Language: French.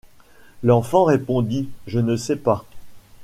L’enfant répondit: — Je ne sais pas.